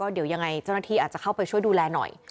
เดี๋ยวยังไงเจ้าหน้าที่อาจจะเข้าไปช่วยดูแลหน่อย